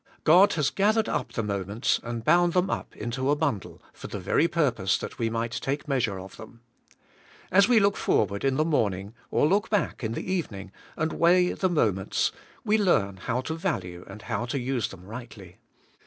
God has gathered up the moments and bound them up into a bundle, for the very purpose that we might take measure of them. As we look forward in the morning, or look back in the evening, and weigh the moments, we learn how to value and how to use them rightly.